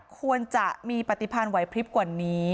ควรจะมีปฏิพันธ์ไหวพลิบกว่านี้